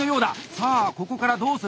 さあここからどうする？